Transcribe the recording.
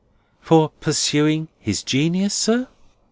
"For pursuing his genius, sir?"